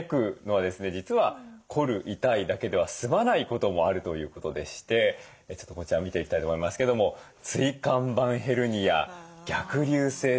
実は凝る痛いだけでは済まないこともあるということでしてちょっとこちらを見ていきたいと思いますけども椎間板ヘルニア逆流性食道炎誤